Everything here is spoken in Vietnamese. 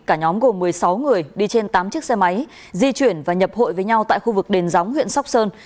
cả nhóm gồm một mươi sáu người đi trên tám chiếc xe máy di chuyển và nhập hội với nhau tại khu vực đền gióng huyện sóc sơn